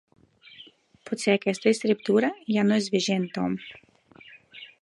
Potser aquesta escriptura ja no és vigent, Tom.